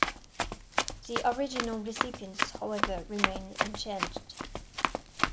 The original recipients, however, remain unchanged.